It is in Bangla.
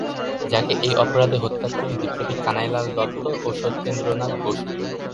যাকে এই অপরাধে হত্যা করেন বিপ্লবী কানাইলাল দত্ত ও সত্যেন্দ্রনাথ বসু।